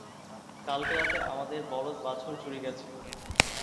কালকে রাতে আমাদের বলদ বাছুর চুরি গেছে।